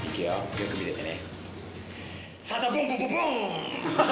よく見ててね。